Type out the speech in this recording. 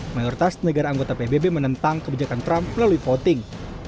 mayoritas negara anggota pbb menentang kebijakan trump melalui voting